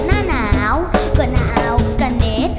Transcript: มันเติบเติบ